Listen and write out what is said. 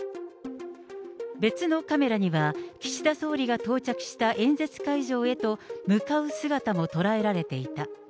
別のカメラには、岸田総理が到着した演説会場へと向かう姿も捉えられていた。